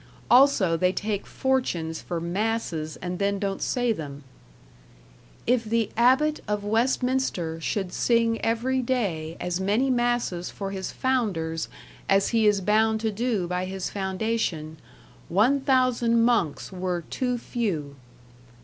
Also they take fortunes for masses and then don't say them. "If the Abbot of west minster shulde sing every day as many masses for his founders as he is bounde to do by his foundacion, 1000 monkes were too few."